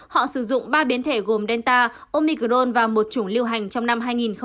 họ sử dụng ba biến thể gồm delta omicron và một chủng liêu hành trong năm hai nghìn hai mươi